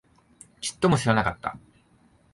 ちっとも知らなかった